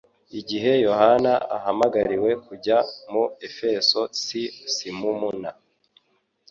Igihe Yohana ahamagariwe kujya mu Efeso n'i Simumma,